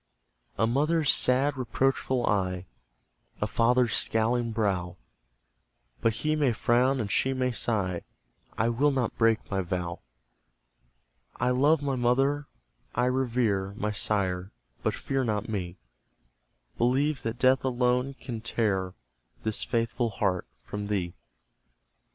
A mother's sad reproachful eye, A father's scowling brow But he may frown and she may sigh: I will not break my vow! I love my mother, I revere My sire, but fear not me Believe that Death alone can tear This faithful heart from thee.